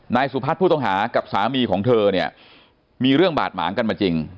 นายสุพัฒน์ผู้ต้องหากับสามีของเธอเนี่ยมีเรื่องบาดหมางกันมาจริง